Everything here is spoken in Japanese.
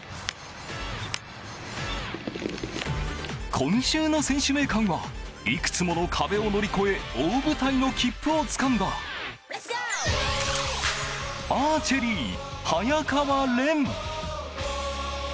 今週の選手名鑑はいくつもの壁を乗り越え大舞台の切符をつかんだアーチェリー、早川漣。